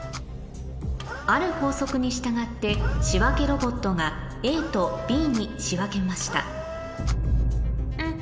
ある法則に従って仕分けロボットがＡとＢに仕分けましたん？